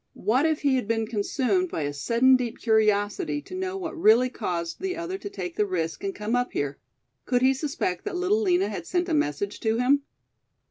What if he had been consumed by a sudden deep curiosity to know what really caused the other to take the risk and come up here? Could he suspect that Little Lina had sent a message to him?